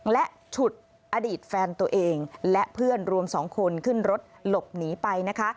และฉุดอดีตแฟนตัวเองและเพื่อนรวม๒คนขึ้นรถหลบหนีไปนะคะ